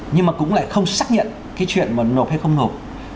nhưng mà cũng lại không xác nhận cái chuyện mà nộp hay không nộp